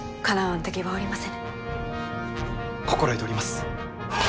心得ております！